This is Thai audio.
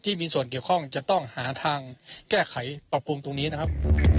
ที่มีส่วนเกี่ยวข้องจะต้องหาทางแก้ไขปรับปรุงตรงนี้นะครับ